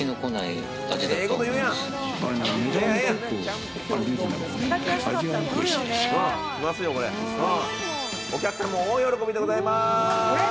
常連さんも大喜びでございます。